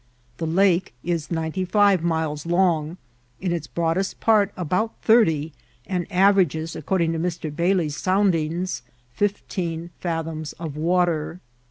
The lake is ninety five miles long, in its broadest part about thirty, and averages, according ROUTE Of THE CANAL. 411 to Mr. Bailey's soimdings, fifteen fathoms of water.